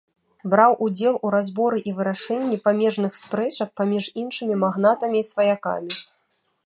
Браў удзел у разборы і вырашэнні памежных спрэчак паміж іншымі магнатамі і сваякамі.